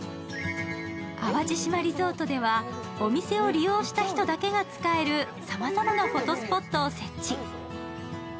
淡路島リゾートではお店を利用した人だけが使えるさまざまなフォトスポットを設置。